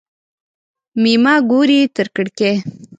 مېمه ګوري تر کړکۍ.